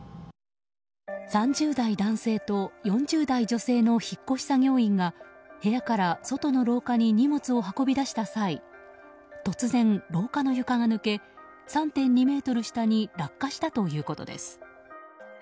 ３０代男性と４０代女性の引っ越し作業員が部屋から外の廊下に荷物を運び出した際突然、廊下の床が抜け３．２ｍ下に落下したということです。